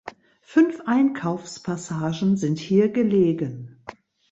Fünf Einkaufspassagen sind hier gelegen.